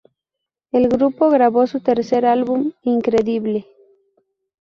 El grupo grabó su tercer álbum, "Incredible!